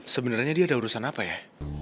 sebenarnya dia ada urusan apa ya